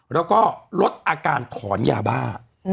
แล้วก็ลดอาการถอนยาบ้า